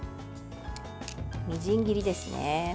みじん切りですね。